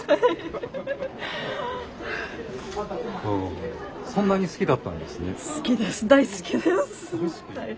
そんなに好きだったんですね。